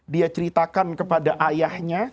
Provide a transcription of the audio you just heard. dia ceritakan kepada ayahnya